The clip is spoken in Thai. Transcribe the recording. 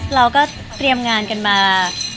เราก็เตรียมงานกันมา